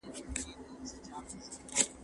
زه نان نه خورم!؟